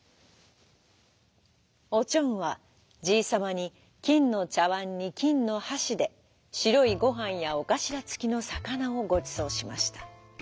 おちょんはじいさまにきんのちゃわんにきんのはしでしろいごはんやおかしらつきのさかなをごちそうしました。